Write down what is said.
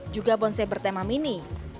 juga bonsai bertema mini